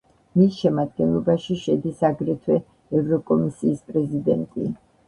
მის შემადგენლობაში შედის აგრეთვე ევროკომისიის პრეზიდენტი.